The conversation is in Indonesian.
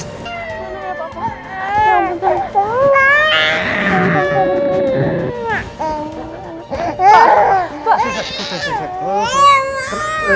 gak usah ya papa